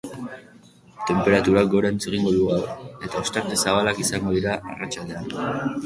Tenperaturak gorantz egingo du gaur, eta ostarte zabalak izango dira arratsaldean.